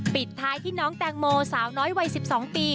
ปิดท้ายที่น้องตางโมสาวน้อยวัยสิบสองปี